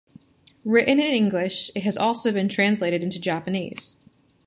Written in English, it has also been translated into Japanese.